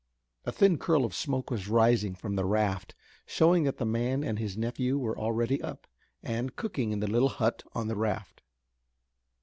A thin curl of smoke was rising from the raft, showing that the man and his nephew were already up, and cooking in the little hut on the raft.